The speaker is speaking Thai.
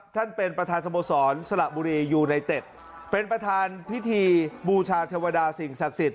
ท่านประธานเป็นประธานสโมสรสละบุรียูไนเต็ดเป็นประธานพิธีบูชาเทวดาสิ่งศักดิ์สิทธิ